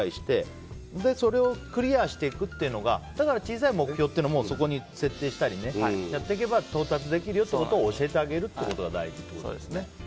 それをクリアしていくというのが小さい目標っていうのもそこに設定したりやっていけば到達できるっていうことを教えてあげることが大事ですね。